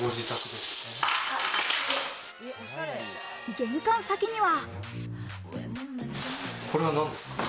玄関先には。